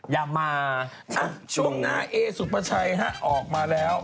อย่ามาช่วงหน้าเอสุปชัยออกมาแล้ว